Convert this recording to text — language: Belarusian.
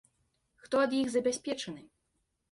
Хто ад іх забяспечаны?